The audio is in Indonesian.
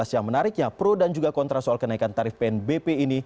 yang menariknya pro dan juga kontra soal kenaikan tarif pnbp ini